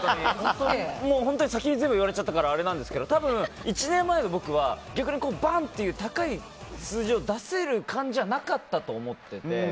本当に先に全部言われちゃったからあれなんですけど多分、１年前の僕は逆にバンっていう高い数字を出せる感じじゃなかったと思ってて。